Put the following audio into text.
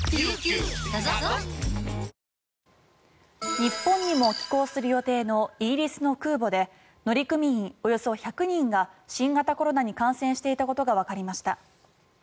日本にも寄港する予定のイギリスの空母で乗組員およそ１００人が新型コロナに感染していたことがわかりました。